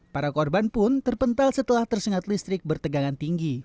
para korban pun terpental setelah tersengat listrik bertegangan tinggi